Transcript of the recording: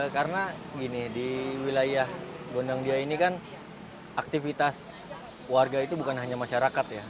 karena gini di wilayah gondangdia ini kan aktivitas warga itu bukan hanya masyarakat ya